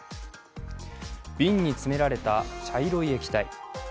瓶に詰められた茶色い液体。